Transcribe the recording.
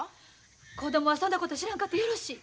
子供はそんなこと知らんかってよろしい！